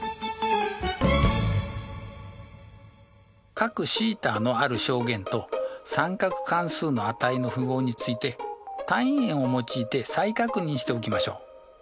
角θのある象限と三角関数の値の符号について単位円を用いて再確認しておきましょう。